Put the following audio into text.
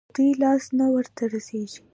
د دوى لاس نه ورته رسېږي.